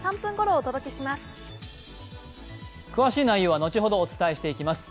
詳しい内容は後ほどお伝えしてまいります。